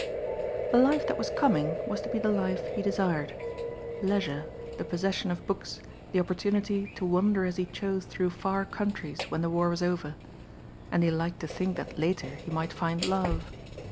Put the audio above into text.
The life that was coming, was to be the life he desired. Leisure, the possession of books, the opportunity to wander as he chose through far countries when the war was over. And he liked to think that later he might find love.